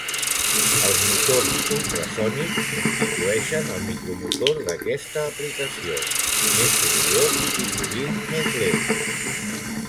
Els motors ultrasònics substitueixen el micromotor d'aquesta aplicació, més sorollós i, sovint, més lent.